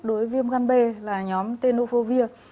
đối với viêm gan b là nhóm tenofovir